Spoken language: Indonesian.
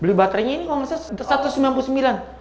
beli baterenya ini kalau gak salah rp satu ratus sembilan puluh sembilan